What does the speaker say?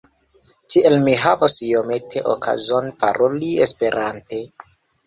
Tiel mi havos iomete okazon paroli Esperante.